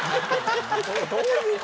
どういう事？